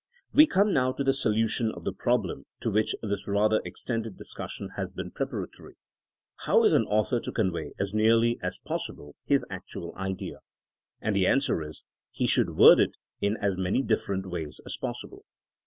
We come now to the solution of the problem to which this rather extended discussion has been preparatory. How is an author to convey, as nearly as possible, his actual idea? And the answer is: he should word it in as many dif ferent ways as possible.